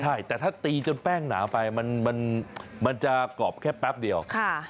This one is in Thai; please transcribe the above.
ใช่แต่ถ้าตีจนแป้งหนาไปมันจะกรอบแค่แป๊บเดียว